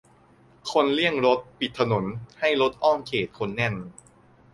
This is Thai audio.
คนเลี่ยงรถ ปิดถนน-ให้รถอ้อมเขตคนแน่น